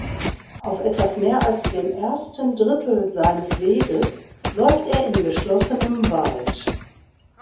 Auf etwas mehr als dem ersten Drittel seines Weges läuft er in geschlossenem Wald.